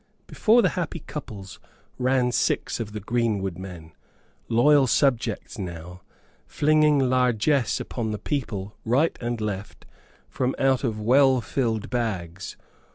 Before the happy couples ran six of the greenwood men, loyal subjects now, flinging largesse upon the people right and left from out of well filled bags.